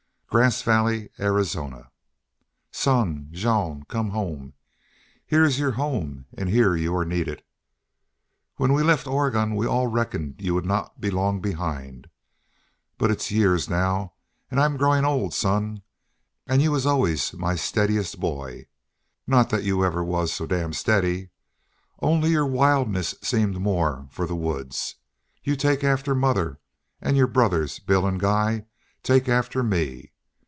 GRASS VALLY, ARIZONA. Son Jean, Come home. Here is your home and here your needed. When we left Oregon we all reckoned you would not be long behind. But its years now. I am growing old, son, and you was always my steadiest boy. Not that you ever was so dam steady. Only your wildness seemed more for the woods. You take after mother, and your brothers Bill and Guy take after me.